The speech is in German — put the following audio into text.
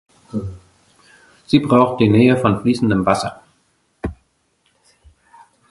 Sie braucht die Nähe von fließendem Wasser.